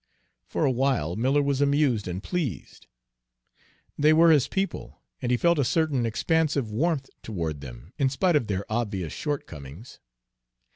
For a while Miller was amused and pleased. They were his people, and he felt a certain expansive warmth toward them in spite of their obvious shortcomings.